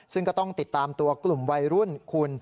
ซึ่งก็ต้องติดตามตัวกลุ่มวัยรุ่นคุณ